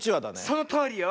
そのとおりよ。